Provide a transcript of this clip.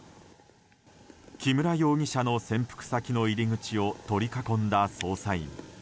木村容疑者の潜伏先の入り口を取り囲んだ捜査員。